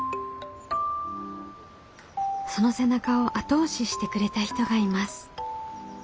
その背中を後押ししてくれた人がいます。